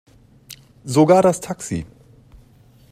Sogar das Taxi.